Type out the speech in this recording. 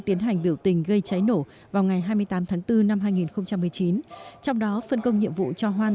tiến hành biểu tình gây cháy nổ vào ngày hai mươi tám tháng bốn năm hai nghìn một mươi chín trong đó phân công nhiệm vụ cho hoan